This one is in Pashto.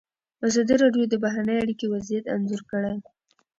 ازادي راډیو د بهرنۍ اړیکې وضعیت انځور کړی.